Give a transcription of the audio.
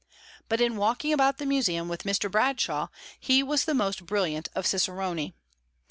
But in walking about the museum with Mr. Bradshaw, he was the most brilliant of ciceroni.